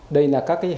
đây là các hành động